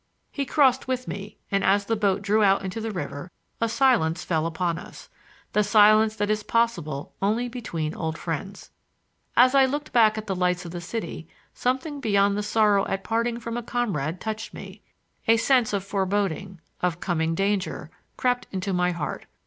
He crossed with me, and as the boat drew out into the river a silence fell upon us,—the silence that is possible only between old friends. As I looked back at the lights of the city, something beyond the sorrow at parting from a comrade touched me. A sense of foreboding, of coming danger, crept into my heart.